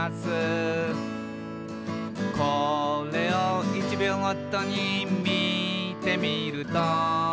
「これを１秒ごとにみてみると」